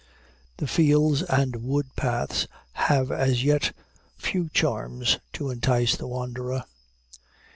The fields and wood paths have as yet few charms to entice the wanderer.